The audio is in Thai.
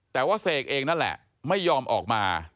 แต่ว่าเสกเองนั่นแหละไม่ยอมออกมา